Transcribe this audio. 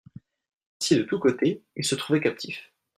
Ainsi de tous côtés il se trouvait captif.